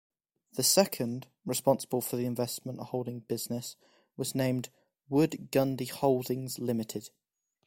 The second, responsible for the investment holding business, was named "Wood Gundy Holdings Limited".